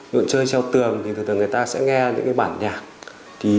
nguyện chơi treo tường thì thường thường người ta sẽ nghe những cái bản nhạc